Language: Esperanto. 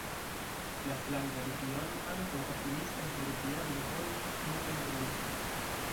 La Flandra Regiono ankaŭ administras la regionajn vojojn en Flandrio.